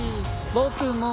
僕も。